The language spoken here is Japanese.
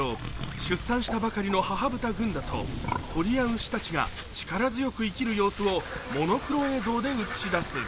出産したばかりの母豚、グンダが鶏や牛たちが力強く生きる様子をモノクロ映像で映し出す。